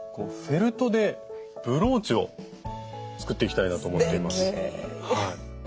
フェルトでブローチを作っていきたいなと思います。